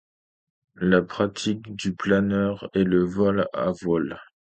La pratique du planeur est le vol à voile.